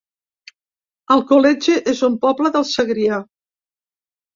Alcoletge es un poble del Segrià